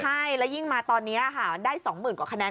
ใช่แล้วยิ่งมาตอนนี้ค่ะได้๒๐๐๐กว่าคะแน